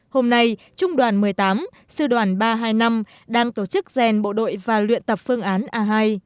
hôm nay trung đoàn một mươi tám sư đoàn ba trăm hai mươi năm đang tổ chức rèn bộ đội và luyện tập phương án a hai